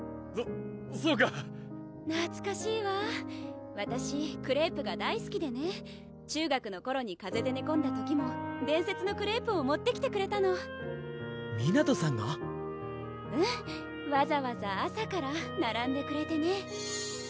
そそうかなつかしいわわたしクレープが大すきでね中学の頃にかぜでねこんだ時も「伝説のクレープ」を持ってきてくれたの湊さんが⁉うんわざわざ朝からならんでくれてね